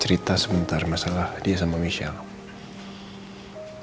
cerita sebentar masalah dia sama michelle